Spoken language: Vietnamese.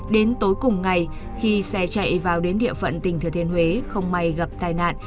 đến tối cùng ngày khi xe chạy vào đến địa phận tỉnh thừa thiên huế không may gặp tai nạn